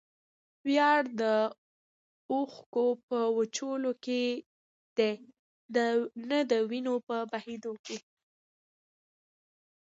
ویاړ د اوښکو په وچولو کښي دئ؛ نه دوینو په بهېودلو کښي.